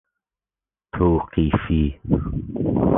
توقیفی